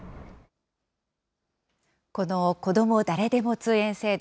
このこども誰でも通園制度。